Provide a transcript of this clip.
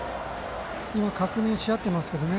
今、確認しあってますけどね